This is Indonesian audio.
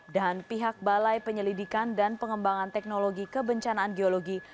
dan pihak balai penyelidikan dan pengembangan teknologi kebencanaan geologi